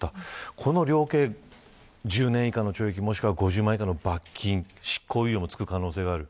この量刑１０年以下の懲役もしくは５０万円以下の罰金執行猶予もつく可能性がある。